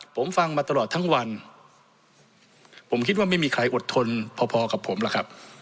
ผมฟังมาตลอดทั้งวันผมคิดว่าไม่มีใครอดทนพอพอกับผมหรอกครับ